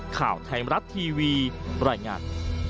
ข่าวไทยรัตน์ทีวีรายงาน